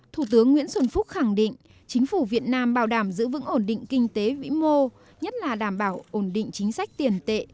thủ tướng nguyễn xuân phúc khẳng định chính phủ việt nam bảo đảm giữ vững ổn định kinh tế vĩ mô nhất là đảm bảo ổn định chính sách tiền tệ